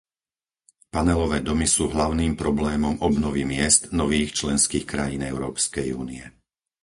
Panelové domy sú hlavným problémom obnovy miest nových členských krajín Európskej únie.